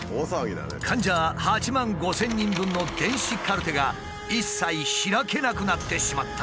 患者８万５千人分の電子カルテが一切開けなくなってしまったのだ。